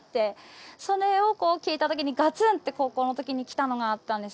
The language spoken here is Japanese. それを聞いたときにガツンって高校のときに来たのがあったんですよ。